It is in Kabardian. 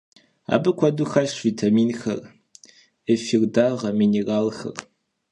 Абы куэду хэлъщ витаминхэр, эфир дагъэ, минералхэр.